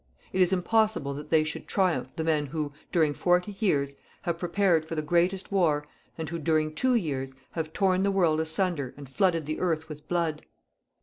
It is impossible that they should triumph the men who, during forty years, have prepared for the greatest war and who, during two years, have torn the world asunder and flooded the earth with blood.